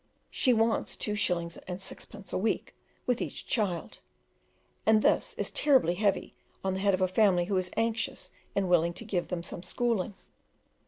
She wants 2 shillings and 6 pence a week with each child, and this is terrible heavy on the head of a family who is anxious and willing to give them some "schooling."